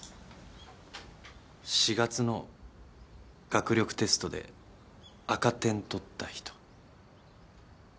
４月の学力テストで赤点取った人？